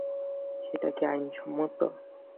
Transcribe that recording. সেটা কি আইনসঙ্গত?